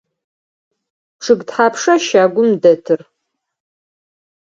Чъыг тхьапша щагум дэтыр?